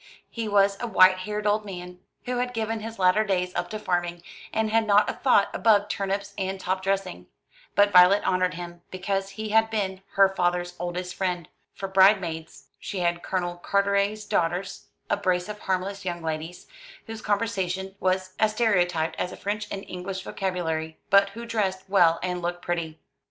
He was a white haired old man, who had given his latter days up to farming, and had not a thought above turnips and top dressing; but Violet honoured him, because he had been her father's oldest friend. For bride maids she had Colonel Carteret's daughters, a brace of harmless young ladies, whose conversation was as stereotyped as a French and English vocabulary, but who dressed well and looked pretty.